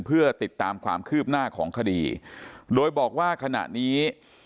เพื่อติดตามความคืบหน้าของคดีโดยบอกว่าขณะนี้